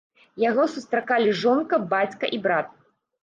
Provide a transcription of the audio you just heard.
Яго сустракалі жонка, бацька і брат.